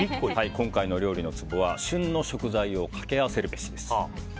今回の料理のツボは旬の食材をかけ合わせるべしです。